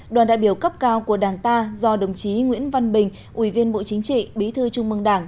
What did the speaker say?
đoàn đại biểu cấp cao của đảng ta do đồng chí nguyễn văn bình ủy viên bộ chính trị bí thư trung mương đảng